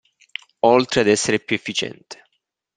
Oltre ad essere più efficiente.